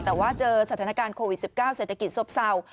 แต่ว่าเจอสถานการณ์โควิด๑๙เศรษฐกิจซบเศร้า